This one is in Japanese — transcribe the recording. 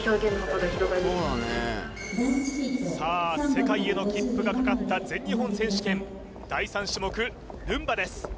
世界への切符がかかった全日本選手権第３種目ルンバです